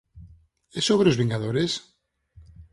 É sobre os Vingadores?